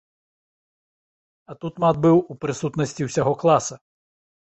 А тут мат быў у прысутнасці ўсяго класа.